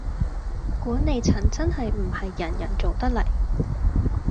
管理層真係唔係人人做得嚟